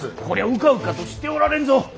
これはうかうかとしておられんぞ。